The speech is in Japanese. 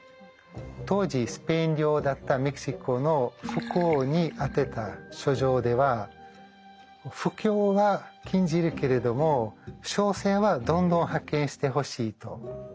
当時スペイン領だったメキシコの副王に宛てた書状では布教は禁じるけれども商船はどんどん派遣してほしいと書いています。